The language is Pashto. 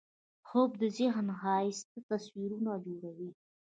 خوب د ذهن ښایسته تصویرونه جوړوي